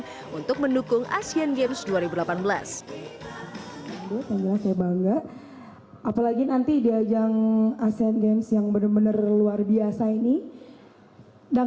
dan menarik kembali ke dunia